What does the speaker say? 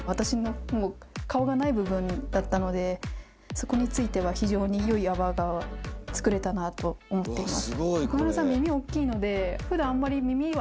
そこについては非常に良い泡が作れたなと思っています。